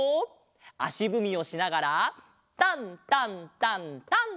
あしぶみをしながら「タンタンタンタンタンタンタン」！